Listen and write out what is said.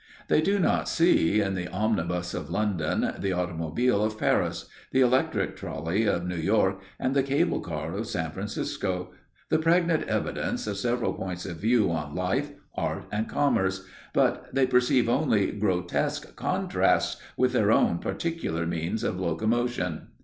They do not see, in the omnibus of London, the automobile of Paris, the electric trolley of New York and the cable car of San Francisco, the pregnant evidence of several points of view on life, art and commerce, but they perceive only grotesque contrasts with their own particular means of locomotion.